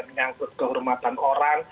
menyangkut kehormatan orang